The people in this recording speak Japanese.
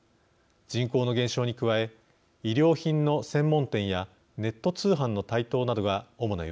人口の減少に加え衣料品の専門店やネット通販の台頭などが主な要因です。